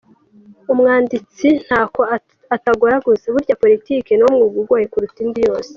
Umwanditsi ntako atagoragoza: Burya politiki niwo mwuga ugoye kuruta indi yose.